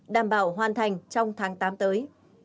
đảm bảo hoàn thành trong tháng tám tới